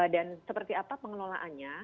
dan seperti apa pengelolaannya